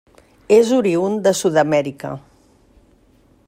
És oriünd de Sud-amèrica.